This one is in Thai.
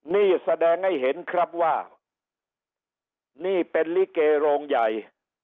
นี่แสดงให้เห็นครับว่านี่เป็นลิเกโรงใหญ่